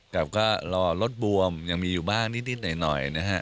แต่ก็รอรถบวมยังมีอยู่บ้างนิดหน่อยนะฮะ